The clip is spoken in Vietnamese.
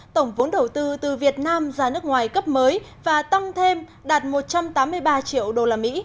tổng vốn đầu tư từ việt nam ra nước ngoài cấp mới và tăng thêm đạt một trăm tám mươi ba triệu usd